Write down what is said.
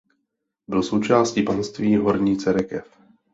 Byl součástí panství Horní Cerekev.